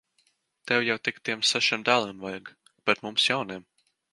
Tev jau tik tiem sešiem dēliem vajag! Bet mums jauniem.